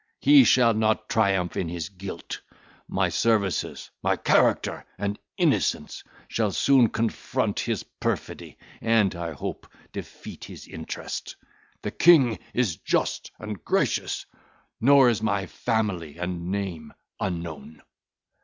He shall not triumph in his guilt. My services, my character, and innocence shall soon confront his perfidy, and, I hope, defeat his interest. The King is just and gracious, nor is my family and name unknown."